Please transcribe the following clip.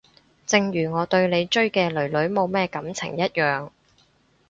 正如我對你追嘅囡囡冇乜感情一樣